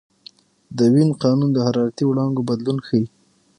د وین قانون د حرارتي وړانګو بدلون ښيي.